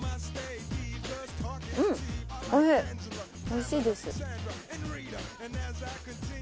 うんおいしいです